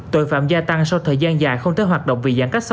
tội phạm gia tăng sau thời gian dài không thể hoạt động vì giãn cách xã hội